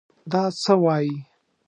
دا څه وايې!